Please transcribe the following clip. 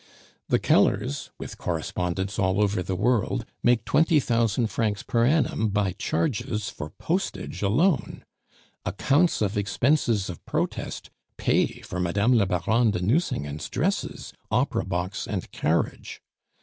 The Kellers, with correspondents all over the world, make twenty thousand francs per annum by charges for postage alone; accounts of expenses of protest pay for Mme. la Baronne de Nucingen's dresses, opera box, and carriage.